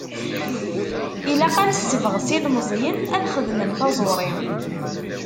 Ilaq ad nessebɣes ilmeẓyen ad xedmen taẓuri.